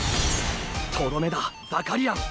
とどめだザカリアン。